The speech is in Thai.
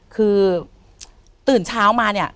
คือตื่นเช้ามาเนี่ย